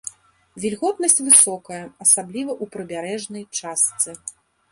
Вільготнасць высокая, асабліва ў прыбярэжнай частцы.